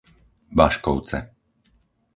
Baškovce